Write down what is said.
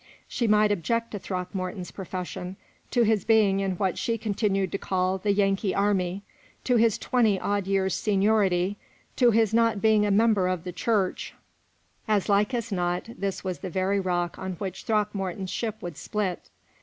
She might object to Throckmorton's profession, to his being in what she continued to call the Yankee army, to his twenty odd years' seniority, to his not being a member of the church; as like as not this was the very rock on which Throckmorton's ship would split.